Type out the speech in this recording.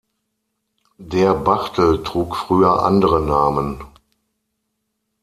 Der Bachtel trug früher andere Namen.